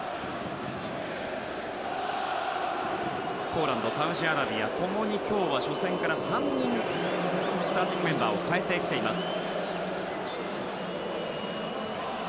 ポーランド、サウジアラビア共に今日は初戦から３人スターティングメンバーを変えてきています。